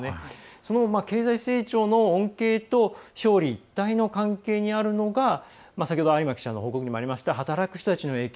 その経済成長の恩恵と表裏一体の関係にあるのが先ほど有馬記者の報告にもあった働く人たちへの影響